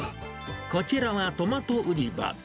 こちらはトマト売り場。